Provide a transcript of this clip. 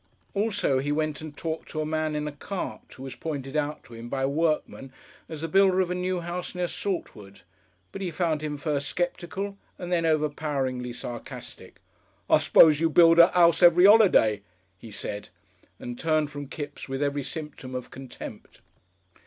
Also he went and talked to a man in a cart who was pointed out to him by a workman as the builder of a new house near Saltwood, but he found him first sceptical and then overpoweringly sarcastic. "I suppose you build a 'ouse every 'oliday," he said, and turned from Kipps with every symptom of contempt.